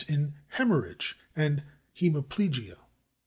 in /haemorrhage/ and /haemiplegia